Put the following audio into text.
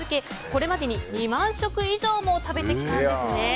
これまでに２万食以上も食べてきたんですね。